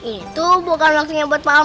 itu bukan waktunya buat pamer mati